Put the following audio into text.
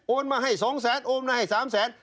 โอนมาให้สองแสนโอนมาให้สามแสน